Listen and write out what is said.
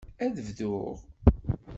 Ad bduɣ?